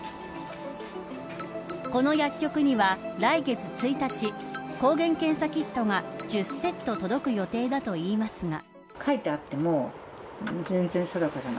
この薬局には来月１日抗原検査キットが１０セット届く予定だといいますが。